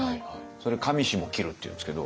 それ「上下を切る」っていうんですけど。